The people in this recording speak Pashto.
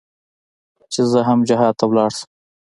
چې زه هم جهاد ته ولاړ سم.